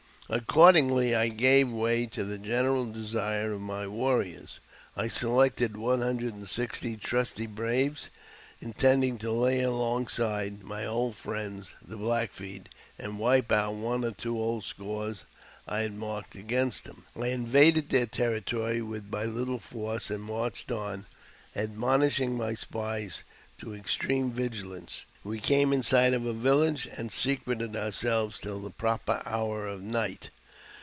Accordingly, I gave way to the general desire of my warriors. I selected one hundred and sixty trusty braves, intending 306 AUTOBIOGBAPHY OF " to lay alongside " my old friends the Black Feet, and wij out one or two old scores I had marked against them. l\ invaded their territory with my little force, and marched on, admonishing my spies to extreme vigilance. We came inj sight of a village, and secreted ourselves till the proper hour] of night.